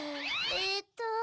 えっと。